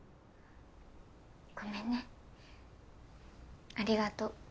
ごめんねありがとう。